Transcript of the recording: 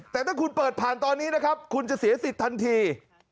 แต่ถ้าคุณเปิดผ่านตอนนี้นะครับคุณจะเสียสิทธิ์ทันที